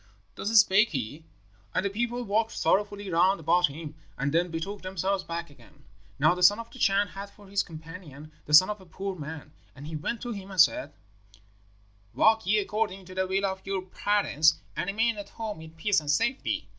"Thus spake he, and the people walked sorrowfully round about him, and then betook themselves back again. Now the son of the Chan had for his companion the son of a poor man, and he went to him and said, 'Walk ye according to the will of your parents, and remain at home in peace and safety.